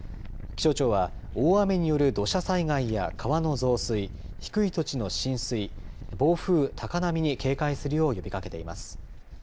気象庁は大雨による土砂災害や川の増水低い土地の浸水暴風、高波に警戒するよう呼びかけています。